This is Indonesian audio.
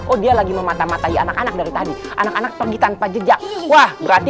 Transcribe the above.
oh dia lagi memata matai anak anak dari tadi anak anak pergi tanpa jejak wah berarti